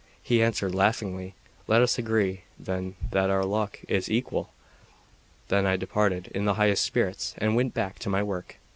He answered laughingly: "Let us agree, then, that our luck is equal!" Then I departed in the highest spirits, and went back to my work.